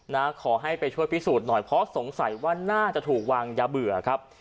นะขอให้ไปช่วยพิสูจน์หน่อยเพราะสงสัยว่าน่าจะถูกวางยาเบื่อครับ